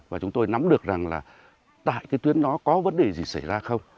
và chúng tôi nắm được rằng là tại cái tuyến đó có vấn đề gì xảy ra không